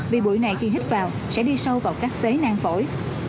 vì bụi này khi hít vào sẽ đi sâu vào các phế nan phổi